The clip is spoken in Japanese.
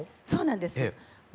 そうなんです。